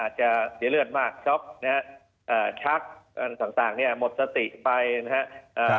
เสียเลือดมากช็อกนะฮะชักต่างเนี่ยหมดสติไปนะครับ